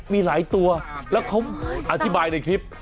มีหลายตัวแล้วเขาอธิบายในคลิป